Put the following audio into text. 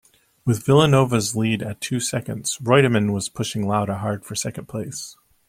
With Villeneuve's lead at two seconds, Reutemann was pushing Lauda hard for second place.